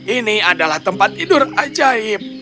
ini adalah tempat tidur ajaib